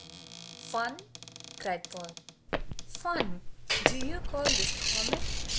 "Fun?" cried Paul. "Fun? Do you call this comic?"